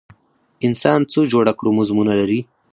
انسان څو جوړه کروموزومونه لري؟